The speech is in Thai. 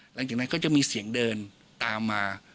หลังจากนั้นก็จะมีเสียงเดินตามมา